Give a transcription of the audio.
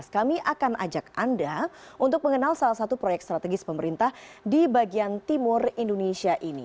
kami akan ajak anda untuk mengenal salah satu proyek strategis pemerintah di bagian timur indonesia ini